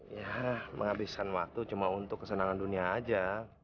ya menghabiskan waktu cuma untuk kesenangan dunia aja